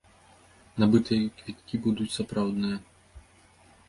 Набытыя квіткі будуць сапраўдныя.